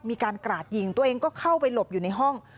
กราดยิงตัวเองก็เข้าไปหลบอยู่ในห้อง